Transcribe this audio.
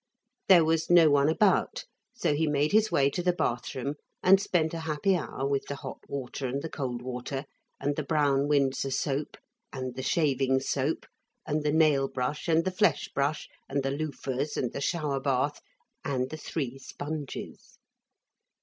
There was no one about, so he made his way to the bath room and spent a happy hour with the hot water and the cold water, and the brown Windsor soap and the shaving soap and the nail brush and the flesh brush and the loofahs and the shower bath and the three sponges.